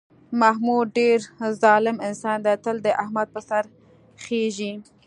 محمود ډېر ظالم انسان دی، تل د احمد په سر خېژي.